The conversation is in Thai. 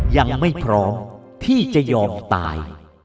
ยังไม่พร้อมที่จะยอมตาย